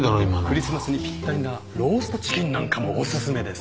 クリスマスにぴったりなローストチキンなんかもお薦めです。